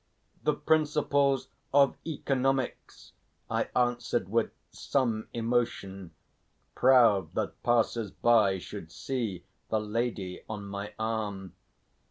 "The principles of economics," I answered with some emotion, proud that passers by should see the lady on my arm.